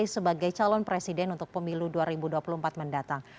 sebagai calon presiden untuk pemilu dua ribu dua puluh empat mendatang